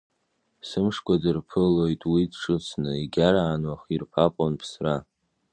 Сымшқәа дырԥылоит уи дҿыцны, егьараан уахирԥап уанԥсра.